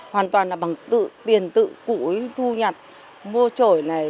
hoàn toàn là bằng tiền tự cụ thu nhặt mua trổi này